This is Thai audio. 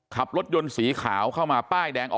ขับรถยนต์สีขาวเข้ามาป้ายแดงออก